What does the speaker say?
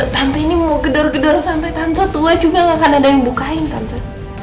tante ini mau gedor gedor sampai tante tua juga gak akan ada yang bukain tante